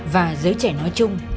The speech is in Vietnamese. và giới trẻ nói chung